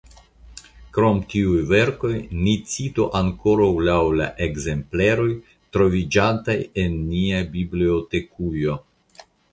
Krom tiuj verkoj ni citu ankoraŭ laŭ la ekzempleroj troviĝantaj en nia bibliotekujo.